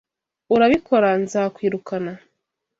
Urabikora nzakwirukana.